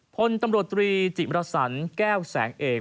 พลตำรวจตรีจิมรสันแก้วแสงเอก